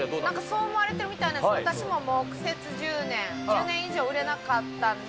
そう思われてるみたいなんですが、私も苦節１０年、１０年以上売れなかったんで。